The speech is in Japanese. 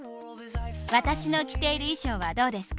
私の着ている衣装はどうですか？